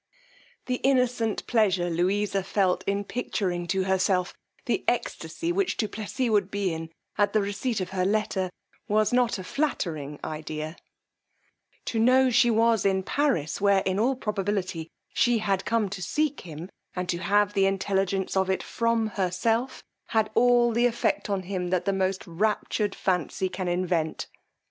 The innocent pleasure Louisa felt in picturing to herself the extacy which du Plessis would be in at the receipt of her letter, was not a flattering idea: to know she was in Paris, where, in all probability, she had come to seek him, and to have the intelligence of it from herself, had all the effect on him that the most raptured fancy can invent.